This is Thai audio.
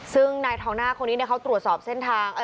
ซึ่งนายทองหน้าคนนี้เขาตรวจสอบเส้นทาง